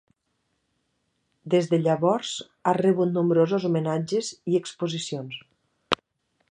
Des de llavors ha rebut nombrosos homenatges i exposicions.